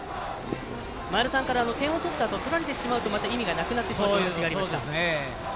前田さんから点を取ったあと取られてしまうと意味がなくなってしまうというお話がありました。